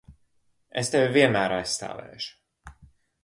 Es Tevi vienmēr aizstāvēšu!